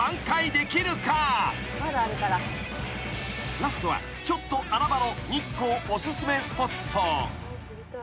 ［ラストはちょっと穴場の日光お薦めスポット］